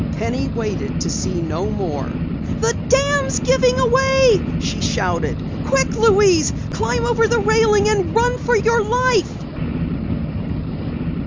Penny waited to see no more. "The dam's given away!" she shouted. "Quick, Louise! Climb over the railing and run for your life!"